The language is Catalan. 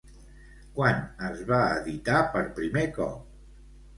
Quan es va editar per primer cop?